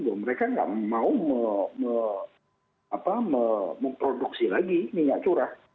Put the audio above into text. bahwa mereka tidak mau memproduksi lagi minyak curah